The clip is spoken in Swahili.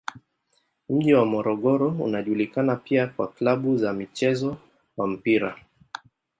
Mji wa Morogoro unajulikana pia kwa klabu za mchezo wa mpira.